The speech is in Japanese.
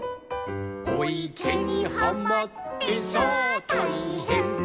「おいけにはまってさあたいへん」